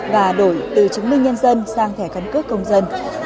và đổi từ chứng minh nhân dân sang thẻ căn cước công dân